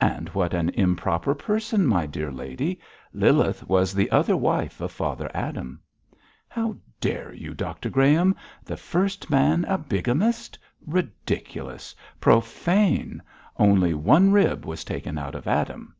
'And what an improper person, my dear lady. Lilith was the other wife of Father Adam.' 'How dare you, Dr Graham! the first man a bigamist! Ridiculous! Profane! Only one rib was taken out of Adam!'